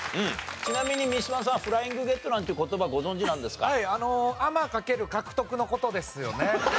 ちなみに三島さんフライングゲットなんていう言葉ご存じなんですか？の事ですよね。